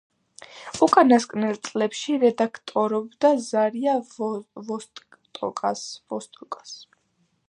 უკანასკნელ წლებში რედაქტორობდა „ზარია ვოსტოკას“.